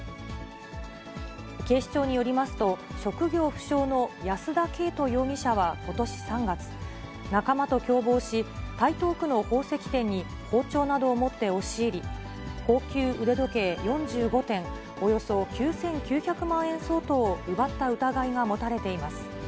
警視庁によりますと、職業不詳の安田恵斗容疑者は、ことし３月、仲間と共謀し、台東区の宝石店に、包丁などを持って押し入り、高級腕時計４５点、およそ９９００万円相当を奪った疑いが持たれています。